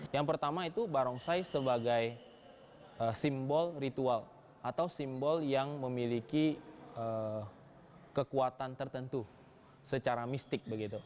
yang pertama itu barongsai sebagai simbol ritual atau simbol yang memiliki kekuatan tertentu secara mistik